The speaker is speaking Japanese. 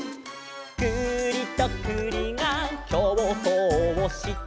「くりとくりがきょうそうをして」